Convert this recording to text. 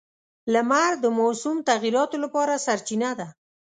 • لمر د موسم تغیراتو لپاره سرچینه ده.